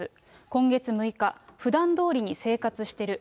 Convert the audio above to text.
今月６日、ふだんどおりに生活してる。